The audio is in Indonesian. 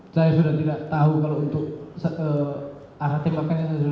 saya sudah tidak tahu kalau untuk ah tembakannya saya sudah tidak